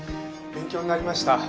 勉強になりました。